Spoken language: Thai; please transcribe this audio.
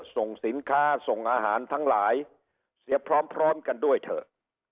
ส่งสินค้าส่งอาหารทั้งหลายเสียพร้อมกันด้วยเถอะ